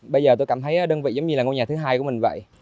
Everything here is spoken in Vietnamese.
bây giờ tôi cảm thấy đơn vị giống như là ngôi nhà thứ hai của mình vậy